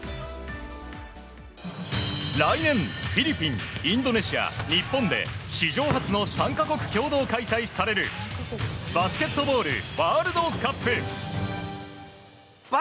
来年、フィリピンインドネシア、日本で史上初の３か国共同開催されるバスケットボールワールドカップ。